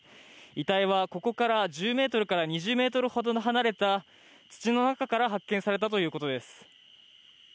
遺体はここから１０ｍから２０ｍほど離れた土の中から発見されたということです。